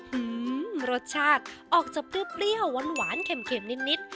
หื้มมรสชาติออกจากปื้อเปรี้ยวหวานเข็มนิด